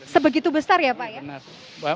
sebegitu besar ya pak ya